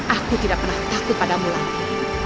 aku tidak pernah takut padamu lagi